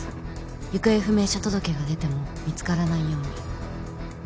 行方不明者届が出ても見つからないように。